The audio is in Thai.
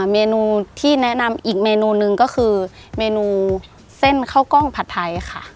เมนูที่แนะนำอีกเมนูหนึ่งก็คือเมนูเส้นข้าวกล้องผัดไทยค่ะ